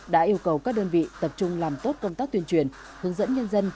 đã yêu cầu các đơn vị tập trung làm tốt công tác tuyên truyền hướng dẫn nhân dân